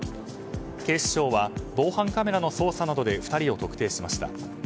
警視庁は防犯カメラの捜査などで２人を特定しました。